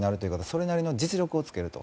それなりの実力をつけると。